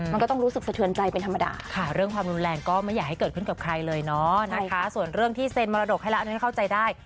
มันก็ต้องรู้สึกสะเทือนใจเป็นธรรมดาค่ะเรื่องความรุนแรงก็ไม่อยากให้เกิดขึ้นกับใครเลยเนาะนะคะส่วนเรื่องที่เซ็นมรดกให้แล้วอันนั้นเข้าใจได้